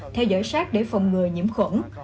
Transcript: theo dõi sát để phòng người nhiễm khuẩn